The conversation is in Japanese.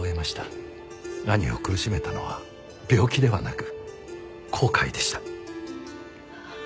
兄を苦しめたのは病気ではなく後悔でした。